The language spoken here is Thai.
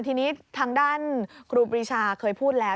ทีนี้ทางด้านครูปรีชาเคยพูดแล้ว